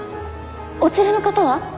お連れの方は？